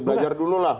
belajar dulu lah